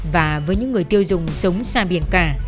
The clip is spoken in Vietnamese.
và với những người tiêu dùng sống xa biển cả